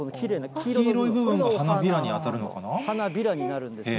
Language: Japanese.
黄色い部分が花びらに当たる花びらになるんですね。